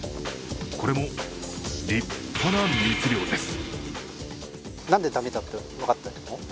これも立派な密漁です。